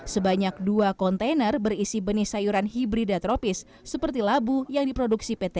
sebanyak dua kontainer berisi benih sayuran hibrida tropis seperti labu yang diproduksi pt